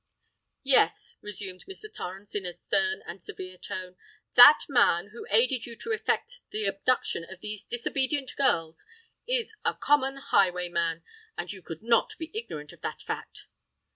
"Yes," resumed Mr. Torrens in a stern and severe tone, "that man, who aided you to effect the abduction of these disobedient girls, is a common highwayman—and you could not be ignorant of that fact!"